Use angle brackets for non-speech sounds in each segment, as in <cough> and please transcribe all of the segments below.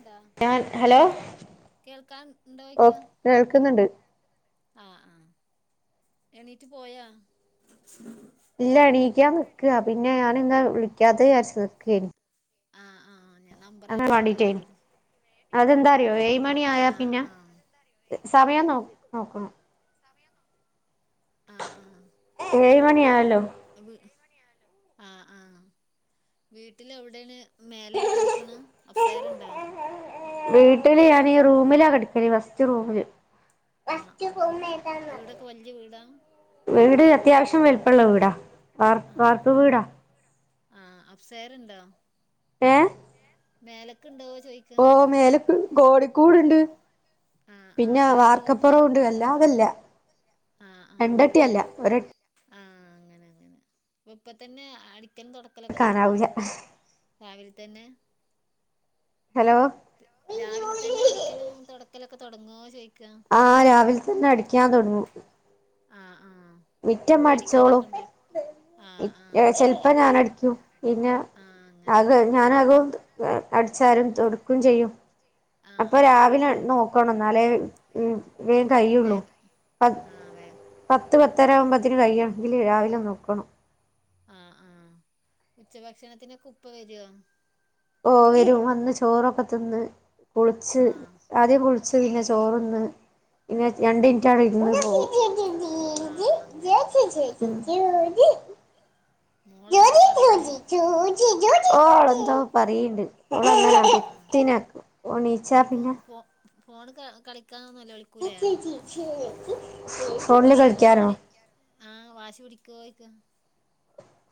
ണ്ടാ ഞാൻ ഹലോ കേൾക്കാൻ ഓ ഉണ്ടോയ്ക്ക. കേൾക്കുന്നുണ്ട്. ആ ആ എണീറ്റ് പോയാ ഇല്ല എണീക്കാൻ നിക്ക പിന്നെ ഞാനി എന്ന വിളിക്കാത്തെ വിചാരിച് ആ ആ ഞാൻ നമ്പർ അങ്ങനെ അടിച്ചിട്ട് വേണ്ടീട്ടേനി കണ്ടിരുന്നു. വേ എണിറ്റ് അതെന്താ പോവാൻ അറിയോ ഏഴ് വേണ്ടീട്ടേ മണി ആയാ പിന്നെ അതെന്താറിയോ ഏഴ് മണി സമയം ആയാ നോ പിന്നെ നോക്കണം <unintelligible> ആ ആ ഏഴ് മണിയായല്ലോ. <unintelligible> ആ ആഹ വീട്ടിൽ എവിടെയാണ് മേലെയേണ് കെടക്കണ് അപ് സ്റ്റെയർ ഉണ്ടോ വീട്ടില് ഞാനീ റൂമിലാ കടിക്കല് ഫസ്റ്റ് റൂമില്. ആ ആ ആ വീടൊക്കെ വലിയ വി <unintelligible> വീട് അത്യാവശ്യം വലുപ്പമുള്ള വീടാ വാർപ്പ് വീടാ. ആ അഫ്സേര് ഉണ്ടാ. ഏ മേലക്ക്‌ ഉണ്ടോ ചോദിക്ക ഓ മേലക്ക് കോഴിക്കൂടുണ്ട്. ആഹ് ആഹ് പിന്നെ അല്ലാതെ റൂമ് വാർക്കപ്പുറം കാര്യം ഉണ്ട് വല്ല അതല്ല രണ്ടട്ടിയല്ല ഒര ആ അങ്ങനെ അങ്ങനെ ഇപ്പ തന്നെ അടിക്കൻ തൊടക്കലൊക്കെ തുടങ്ങുവോ? എടുക്കാനാവൂല രാവിലെ തന്നെ ഹലോ ഹലോ രാവിലെ തന്നെ അടിക്കലും തുടക്കലൊക്കെ തുടങ്ങോ? ചോദിക്ക ആ രാവിൽതന്നെ അടിക്കാൻ തുടങ്ങും. ആഹ് ആഹ് മുറ്റം മുറ്റടിക്കാനൊക്കെ അടിച്ചോളും ഇണ്ട ഇ ആഹ് ഏ ആഹ് ചെലപ്പ ഞാൻ അടിക്കും പിന്നെ ആഹ് ആ അങ്ങനെ <unintelligible> അടിച്ചാരും തൊടക്കും ചെയ്യും ആഹ് അപ്പൊ ആഹ് രാവിലെ നോക്കണം ന്നാലേ ആഹ് വേൻകയുള്ളൂ വേഗം ആഹ് വേ പത്ത് പത്തര ആകുമ്പോതിന് കയ്യണെങ്കിൽ രാവിലെ നോക്കണം ആ ആഹ് ഉച്ചഭക്ഷണത്തിനൊക്കെ ഉപ്പ വരുവോ ഓ വരും വന്ന് ചോറൊക്കെ തിന്ന് കുളിച്ച് ആഹ് ആദ്യം കുളിച്ച് പിന്നെ ചോർന്ന് ഇന്നെ ആഹ് രണ്ടിൻറ്റ് അവ്ടെ ഇരുന്ന് പോകും. ആഹ് അങ്ങനെ അങ്ങനെ <unintelligible> മോളെന്താ പറയ്ണ് ഓളെന്തോ പറീണ്ട് <unintelligible> ഓൽക്ക് ഫോ ഫോണ് ക കളിക്കാന്നല്ല ഫോണില് കളിക്കാനോ ഫോണ് ആഹ് വാശി പിടിക്കോയ്ക്ക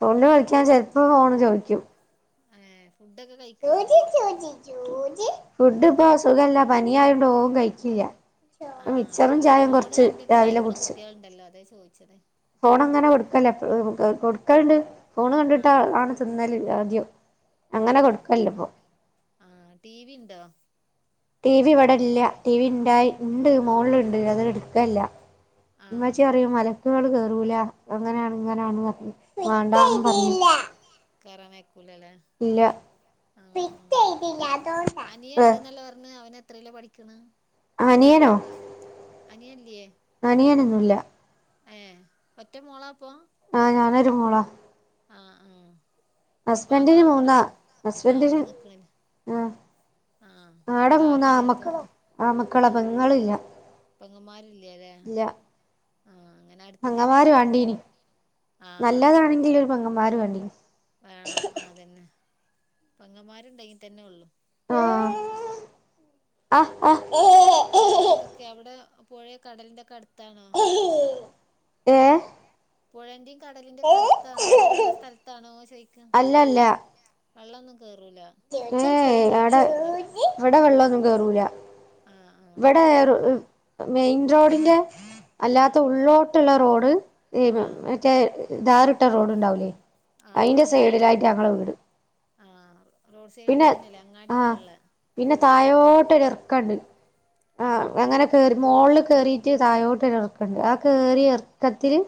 ഫോണില്കളിച്ചാ ചെലപ്പോ ഫോണ് ചോയ്ക്കും. ഏ ഫുഡൊക്കെ കഴിക്കോ <inaudible> ഫുഡ് പ്പോ സുഖല്ല പനിയായൊണ്ട് ഓൻ കഴിക്കില്ല ആഹ് മിച്ചറും അല്ല ചായയും ഫോണ് കൊറച്ച് കണ്ടിട്ട് രാവിലെ കഴിക്കണ കുട്ട്യേൾ ണ്ടല്ലോ അതെ ചോയ്ച്ചത് ഫോണങ്ങനെ കൊടുക്കല്ലേപ്പോഴും കൊടുക്കല്ണ്ട് ഫോൺ കണ്ടിട്ട് ആഹ് ആണ് തിന്നല് ആദ്യോ അങ്ങനെ കൊടുക്കല് ല്ലപ്പോ. ആ ടി വി ണ്ടോ ടിവി ഇവിടെ ഇല്ല ടി വി ണ്ടായി ണ്ട് മോളില്ണ്ട് അതിട്ക്കലില്ല. ഉമ്മച്ചി ആഹ് പറയുംമലക്കുകൾ കേറൂല അങ്ങനാണ് ഇങ്ങനാണ് വാണ്ടാന്നു പറഞ്ഞു കേറാനയകൂലലെ ഇല്ല ആ ആ ഫിറ്റ് ചെയ്തില്ല അതോണ്ടാ അനിയണ്ട്ന്നല്ലേറഞ് അവനത്രെലാ പഠി അനിയനോ ക്ക്ണ്അനിയനൊ അനിയനില്ലേ അനിയനൊന്നുല്ല അനിയനോന്നുല്ല ഏ ഒറ്റ മോളാപ്പോ ആഹ് ഞാനൊരുമോളാ ആഹ്ആ അപ്പൊ ഹസ്ബൻഡിന് അതാവു വിടെ മൂന്നാ ന്ന് ആഹ് ഹസ്ബൻഡിന് ഇവിടെ നിക്കണ് ല്ലേ ആഹ് ആഹ് ആടെ ഇവിടെ ആരു മൂന്ന് ആമക്കളാ ഇല്ലാത്തോണ്ട് ആമക്കളാ ആഹ് പെങ്ങളില്ല പെങ്ങമാരില്ലല്ലേ ആഹ് അങ്ങനെ പങ്ങമാര് വാണ്ടീൻ ആ നല്ലതാണെങ്കിലൊരു പങ്ങന്മാര് വേണ്ടീനി വേണം അതന്നെ പെങ്ങമാരുണ്ടെങ്കി തന്നെ ഒള്ളു ആഹ് ആഹ് ആഹ് വേറെന്തൊക്കെയ അവിടെ പൊഴേ കടലിന്റെക്കെ അടുത്താണോ ഏ പുഴന്റെ കടലിന്റെ ഒക്കെ അടുത്താണോ അങ്ങനെള്ള സ്ഥലത്താണോ ചോയിക്ക അല്ലല്ല അല്ല ല്ല വള്ളൊന്നും കേറൂല ആഹ് അങ്ങനെള്ള ഏടെ പ്രദേശൊന്നല്ല വിടെ വെള്ളൊന്നും കേറൂല ആഹ് വിടെ മെയിൻ റോഡിന്റെ ആഹ് അല്ലാത്ത ആഹ് ഉള്ളോട്ടുള്ള റോഡ് ഈ ആഹ് മറ്റേ ധാറിട്ട റോഡ്ണ്ടാവൂലേ ആഹ് അങ് ങ്ങളെ വീട് ആഹ് റോഡ് സൈഡിൽ പിന്നെ തന്നെല്ലേ അങ്ങാടി ഒക്കെള്ള ആഹ് പിന്നെ തായോട്ടൊരു എറക്കണ്ട് ഉംപിന്നതായൊട്ടൊരുറക്കണ്ട് ആഹ് അങ്ങനെ കേറി മോളില് കേറീട്ട് താഴോട്ടോരിറക്കണ്ട് ആ കേറിറക്കത്തില്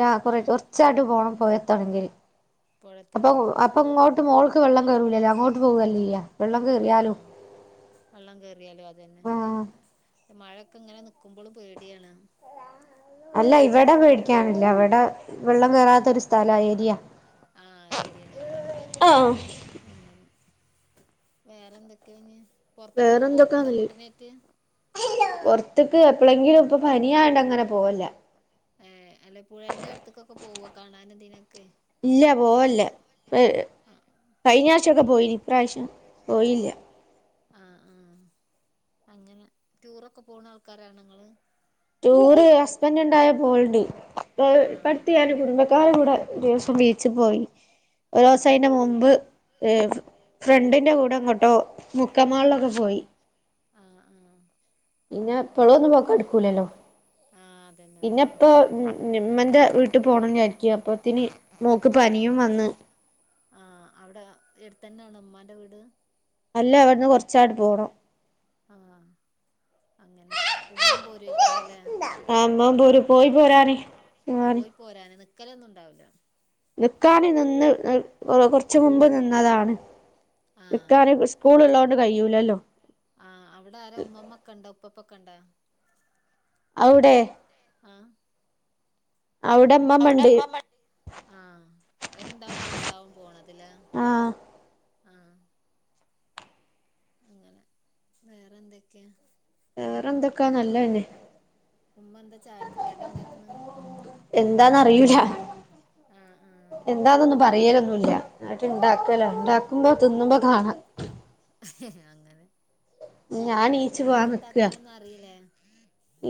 അല്ല കുറ ആഹ് കുറച്ചാട്ട് പോണം പോഴത്താണങ്കിൽ അപ്പൊ പൊഴെത്തണെങ്കി അപ്പൊ ഇങ്ങോട്ട് മോൾക്ക് വെള്ളം കെറൂലല്ലോ അങ്ങോട്ട് പോവല്ലേയ്യ ആഹ് വള്ളം കേയറിയാലോ അതെന്നെ. ആഹ് മഴയക്കെ ഇങ്ങനെ നിക്കുമ്പോളും പേടിയാണ്. അല്ല ഇവിടെ പേടിക്കാനില്ല ഇവിടെ വെള്ളം കേറാത്ത ഒരു സ്ഥലാ ഏരിയ ആ ഏരിയണില്ലേ അങ്ങനെ വേറെന്തൊക്കെഞ്ഞ് പോറത്തക്കൊക്കെ പോക്ക്ണ്ടോ കുട്ടിനേറ്റ് പോറത്ത്ക്ക് എപ്പളെങ്കിലും ഇപ്പൊ പനിയായോണ്ട് അങ്ങനെ പോവല്ല്ല. ഏഹ് അല്ല പുഴന്റെ അടുത്ത്ക്കൊക്കെ പോവോ കാണനും ഇതിനൊക്കെ ഇല്ല പോവല്ല കുട്ടികളൊക്കെ ആഹ് കഴിഞ്ഞ ആഴ്ചൊക്കെ പോയിന് ഇപ്രാവശ്യം പോയില്ല ആഹ് ആഹ് അങ്ങന ടൂറൊക്കെ പോണ ആൾക്കാരാണോ ഇങ്ങള് ടൂറ് ഹസ്ബൻഡ്ണ്ടായ പോവല്ണ്ട്. ഇപ്പ ആഹ് ഇപ്പട്ത്ത് ഞാൻ കുടുംബക്കാരെ കൂടെ ഒരു ദിവസം ബീച്ച് പോയി ഒരൂസം അയിന്റെ ആഹ് മുമ്പ് <unintelligible> ഫ്രണ്ടിന്റെ കൂടെ എങ്ങോട്ടോ മുക്കം മാളിലൊക്കെ പോയി ബസ്സേ ആഹ് ആഹ് പിന്നെ എപ്പോളൊന്നും പോയി കടക്കൂലല്ലോ ആഹ് അതന്നെ പിന്നെ അതന്നെ എപ്പൊ ഞ് മ്മന്റെ വീട്ട് പോകണംന്നായിരിക്കും അപ്പോത്തിനി മോക്ക് പനിയും വന്ന് ആഹ് അവിടെ എടുതന്നെ ആണോ ഉമ്മാന്റെ വീട് അല്ല ഇവിട്ന്ന് കുറച്ചാട്ട് പോണം. ആഹ് അങ്ങനെ ഉമ്മീം പോരോയിക്കാരല്ലേ ആഹ് പോയി പോരാന് നിക്കലൊന്നുണ്ടാവുല. നിക്കാന് നിന്ന് കുറച് മുമ്പ് നിന്നതാണ് ആഹ് നിക്കാന് സ്കൂൾ ഇള്ളോണ്ട് കഴിയൂലല്ലോ ആഹ് അവിടാരാ ഉമ്മമ്മക്കെണ്ടോ ഉപ്പപ്പൊക്കെണ്ടാ അവിടെ ആഹ് അവിടെ ഇമ്മ <unintelligible> ആഹ് അവരിണ്ടാവുമ്പോ രസാവും പോണതിലെ ആഹ് ആഹ് അങ്ങനെ വേറെന്തൊക്കെയാ വേറെന്തൊക്കാ നല്ലതന്നെ ഉമ്മന്താ ചായക്ക് കടിണ്ടാക്ക്ണ് എന്താന്നറിയൂല എന്താന്നൊന്നും പറയലൊന്നൂല്ല <unintelligible> ഇണ്ടാക്കൂലോ ആഹ് ഇണ്ടാക്കുമ്പോ തിന്നുമ്പ കാണാ <unintelligible> അങ്ങനെ ഉം ഞാൻ നീച്ച് നിക്ക് ഇണ്ടാക്കാനൊന്നും അറിയില്ലേ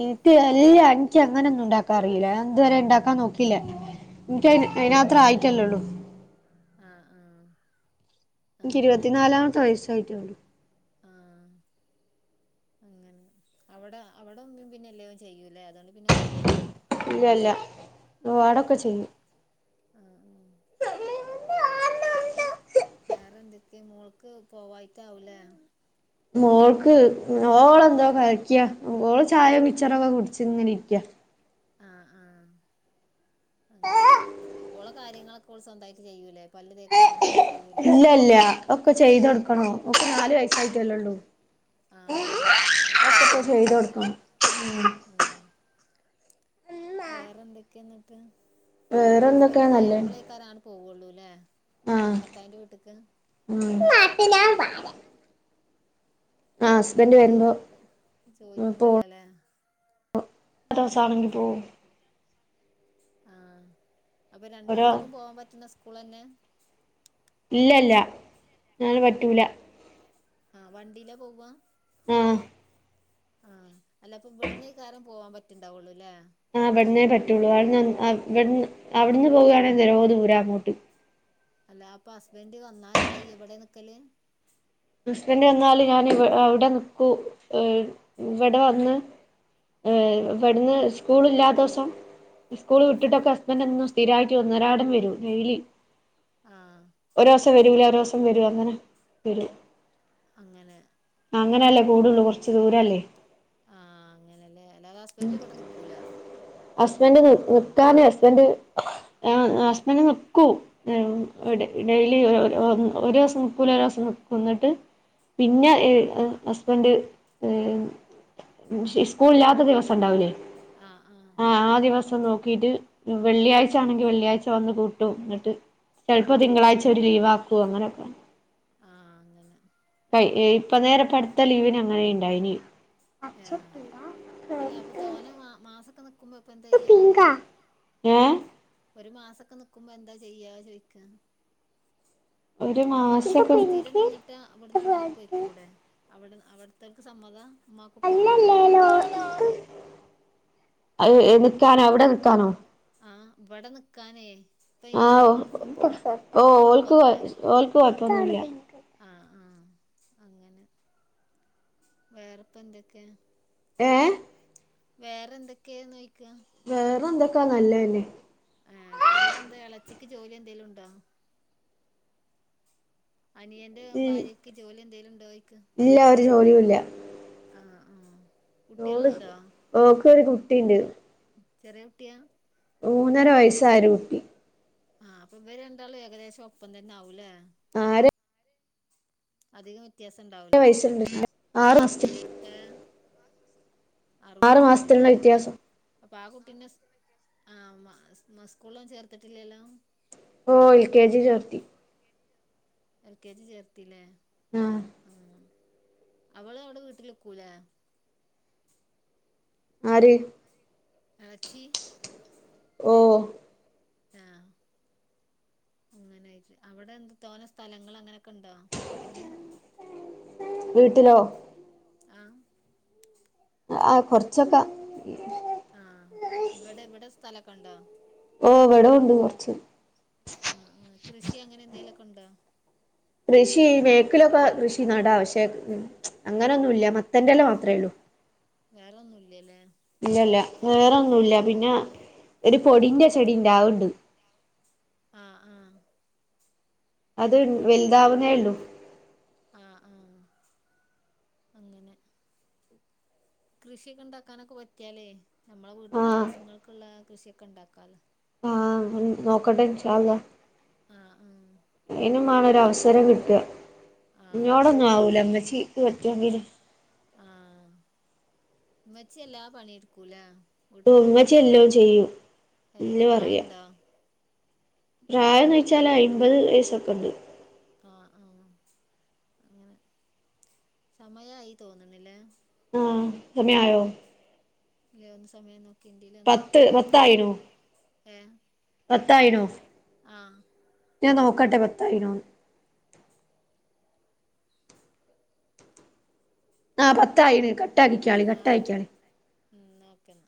ഇന്ക്ക് അല്ല. ഇന്ക്കി അങ്ങനെന്നും ണ്ടാക്കാറില ഞാൻ ഇതുവരെ ഇണ്ടാക്കാൻ നോക്കില്ല. ഇനിക്കയിന് അയിനാത്ര ആഹ് ആയിട്ടല്ലള്ളൂ ആഹ് ആഹ് എനിക്ക് അങ്ങനെ ഇരുപത്തിനാലാമത്തെ വയസ്സായിറ്റോള്ളൂ ആഹ് അങ്ങനെ അവടെ അവിടെ ഉമ്മീം പിന്നെ എല്ലും ചെയ്യൂലേ അതുകൊണ്ട് പിന്നെ കൊഴപ്പല്ല. ഇല്ല ഇല്ല ഓ ആടൊക്കെ ആഹ് ചെയ്യും ആഹ് ആഹ് വേറെ എന്തൊക്കെ മോൾക്ക് പോവായിക്കാവൂലേ മോൾക്ക് ഓളെന്താ കഴിക്യാ ഓള് ചായോ മിച്ചറൊക്കെ കുടച്ചിങ്ങനെ ഇരിക്ക ആഹ് ആഹ് അങ്ങനെ ഓളോ കാര്യങ്ങളൊക്കെ ഓള് സ്വന്തായിട്ട് ചെയ്യൂലേ പല്ല് തേക്ക അങ്ങനത്തോക്കെ ചെയ്യൂലേ അല്ല. ഒക്കെ ചെയ്തെടുക്കണം ഓക്ക് നാല് വ ആഹ് <unintelligible> അതക്കോക്ക് ചെയ്ത് കൊടുക്കണം <inaudible> വേറെ എന്തൊക്കെയാ എന്നിട്ട് വേറെന്തൊക്കെയാ ഹസ്ബൻഡ് നല്ലേ വരുമ്പോളേക്ക് പോവുള്ളൂ അല്ലേ ആഹ് ഭർത്താവിന്റെ വീട്ടിക്ക് ആഹ് ഹസ്ബൻഡ് അവളെന്തൊക്കെയോ വരുമ്പോ ചോയിക്കുണ്ടല്ലോ പോവും അല്ലേ <unintelligible> പോവും ആഹ് അപ്പൊ ഓരോ രണ്ടിടത്തേക്കും പോവാൻ പറ്റുന്ന സ്കൂൾ തന്നെയാ ഇല്ലില്ല അങ്ങനെ പറ്റൂല ആഹ് വണ്ടിയിലാ പോവുക ആഹ് ആഹ് അല്ല അപ്പം ഇവിടുന്നേ കാരം പോവാൻ പറ്റിണ്ടാവുള്ളു അല്ലേ ആഹ് അവിടുന്നേ പറ്റുള്ളൂ അവിടുന്ന് അവിടുന്ന് അവിടുന്ന് പോവുകയാണെങ്കിൽ <unintelligible> ദൂരെ അങ്ങോട്ട് അല്ല അപ്പൊ ഹസ്ബൻഡ് വന്നാ എന്താ ചെയ്യാ ഇവിടെ നിക്കല് ഹസ്ബൻഡ് വന്നാല് ഞാൻ ഇ അവിടെ നിക്കൂ ഇവിടെ വന്ന് ഏഹ് ഇവിടുന്ന് സ്കൂളില്ലാത്ത ദിവസം സ്കൂൾ വിട്ടിട്ടൊക്കെ ഹസ്ബൻഡ് എന്നും സ്ഥിരമായിട്ട് ഒന്നൊരാടം വരൂ ഡെയിലി ആഹ് ഒരു ദിവസം വരൂല ഒരു ദിവസം വരും അങ്ങനെ വരും അങ്ങനെ ആഹ് അങ്ങനെയല്ലേ പോവുള്ളൂ കുറച്ച് ദൂരല്ലേ ആഹ് അങ്ങനെയല്ലേ അല്ലാതെ ഹസ്ബൻഡ് ഇവിടെ നിക്കൂല ഹസ്ബൻഡ് നി നിക്കാന് ഹസ്ബൻഡ് ആഹ് ഹസ്ബൻഡ് നിക്കും ആഹ് ഡെയിലി ഒരു ദിവസം നിക്കൂല ഒരു ദിവസം നിക്കും എന്നിട്ട് പിന്നെ ഏഹ് ആഹ് ഹസ് ബൻഡ് ഏഹ് സ്കൂളില്ലാത്ത ദിവസം ഉണ്ടാവില്ലേ ആഹ് ആഹ് ആഹ് ദിവസം നോക്കീട്ട് വെള്ളിയാഴ്ച ആണെങ്കി വെള്ളിയാഴ്ച വന്ന് കൂട്ടും എന്നിട്ട് ചിലപ്പോ തിങ്കളാഴ്ച ഒരു ലീവാക്കും അങ്ങനെയൊക്കെ ആഹ് അങ്ങനെ ഇപ്പൊ നേരെ അടുത്ത ലീവിന് അങ്ങനെ ഇണ്ടായിനി ആഹ് അല്ല അപ്പൊ തോനെ മാ മാസൊക്കെ നിക്കുമ്പോ ഇപ്പൊ എന്താ ചെയ്യാ ഏഹ് ഒരു മാസമൊക്കെ നിക്കുമ്പോ എന്താ ചെയ്യാ ചോദിക്ക ഒരു ഇവിടെ സ് മാസൊക്കെ സ്ഥിരം നിന്നിട്ട് അവിടുന്ന് അങ്ങനെ പോയ്ക്കൂടെ അവിടെ അവിടുത്തർക്ക് സമ്മതമാ ഉമ്മാക്കും ഉപ്പാക്കും ഒക്കെ അല്ലല്ലേലോ ഇത് അത് നിക്കാനോ അവിടെ നിക്കാനോ ആഹ് ഇവിടെ നിക്കാനേ ഇപ്പം ഈ ആഹ് നിക്കണടുത്തൊക്കെ ഓ അവർ ഓൾക്ക് കൊഴപ്പൊന്നുമില്ലല്ലേ ഓൾക്ക് ആഹ് കൊഴപ്പൊന്നുല്ല ലഹ് ആഹ് അങ്ങനെ വേറെപ്പോ എന്തൊക്കെയാ ഏഹ് വേറെ എന്തൊക്കെയാന്ന് ചോദിക്കെയാ വേറെ എന്തൊക്കായാ നല്ലന്നെ ആഹ് അവിടെ എന്താ എളേച്ചിക്ക് ജോലി എന്തേലും ഉണ്ടോ അനിയന്റെ ഈ ഭാര്യക്ക് ജോലി എന്തേലും ഉണ്ടോയിക്ക് ഇല്ല ഒരു ജോലിയുല്ല ആഹ് ആഹ് കുട്ടികളുണ്ടോ ഓക്ക് ഒരു കുട്ടിണ്ട് ചെറിയ കുട്ടിയാ മൂന്നര വയസ്സായ ഒരു കുട്ടി ആഹ് അപ്പൊ ഇവര് രണ്ടാളും ഏകദേശം ഒപ്പം തന്നെ ആവൂല്ലേ ആര് അധികം വ്യത്യാസം ഉണ്ടാവൂല വയസ്സുണ്ട് ആറ് മാസത്തി ഏഹ് ആറ് മാസത്തിനുള്ള ആറുമാസത്തിനല്ലേ വ്യത്യാസം അപ്പൊ ആ കുട്ടിനെസ് ആ മസ് മസ് സ്കൂളൊന്നും ചേർത്തിട്ടില്ലല്ലോ ഓഹ് എൽ ക്കെ ജി ചേർത്തി എൽ കെ ജി ചേർത്തില്ലേ ആഹ് ഉ അവള് അവിടെ വീട്ടിൽനിൽക്കൂലേ ആര് ആ ച്ചി ഓഹ ആഹ് അങ്ങനൊയിരിക്ക് അവിടെ എന്ത് തോന്ന സ്ഥലങ്ങൾ അങ്ങനെയൊക്കെണ്ടോ വീട്ടില് <inaudible> വീട്ടിലോ ആഹ് ആ കുറച്ചൊക്കെ ആഹ് ഇവിടെ എവിടെ സ്ഥലൊക്കണ്ടോ ഓവിട ഉണ്ട് കുറച്ച് ആഹ ആ കൃഷി അങ്ങനെ എന്തേങ്കലുക്കെ ഉണ്ടോ കൃഷി ബാക്കിലൊക്കെ കൃഷി നടാ പക്ഷെ അങ്ങനെൊന്നുമല്ല മത്തൻറല്ല മാത്രമേ ഉള്ളൂ വേറെൊന്നും ഇല്ലല്ലേ ഇല്ലല്ല വേറെൊന്നുമല്ല പിന്നെ ഒരു പൊടിന്റെ ചെടിണ്ടാവണ്ട് ആഹ് ആഹ് അത് എന്ത് പോ വലുതാവുന്നേ ഉള്ളൂ ആ ആ അങ്ങനെ കൃഷിയൊക്കെ ഉണ്ടാക്കാനൊക്കെ പറ്റിയാലേ നമ്മളെ വീട്ടക്ക് ആഹ് ആവശ്യങ്ങൾക്കുള്ള കൃഷിയൊക്കെ ഉണ്ടാക്കാല് <inaudible> ആ നോക്കട്ടെ ഇൻഷാ അള്ളാ ആഹ് ആഹ് അനും വേണൊര അവസരം കിട്ടുക ആഹ് ഇന്നോടൊന്നും അതന്നെ ആവൂലമ്മച്ചി വച്ച വിരു <inaudible> ആഹ് ഉമ്മച്ചി എല്ലാ പണിടുക്കൂല വീട്ടത്തൊക്കെ ഇമ്മച്ചി എല്ലോം ചെയ്യും ഏ ഇല്ല് പറയാ പ്രായുണ്ടോ പ്രായംന്ന് വെച്ചാല് അൻമ്പത് വയസ്സൊക്കെ ഉണ്ട് ആഹ് ആഹ് അങ്ങനെ സമയമായി തോന്നണില്ലേ ആഹ് സമയം ആയോ ഒന്ന് സമയ ന കിണ്ടയിലൊന്ന് പത്ത് ബാക്ക് ആയി പത്തായിണോ പോയി ഏ ആഹ ഞാ നോക്കട്ടെ പത്തായിനോ ആ പത്തായിന് കട്ടാ ക്കിക്കളി കട്ട്ക്കിക്കാളി ഓക്കെ എന്നാൽ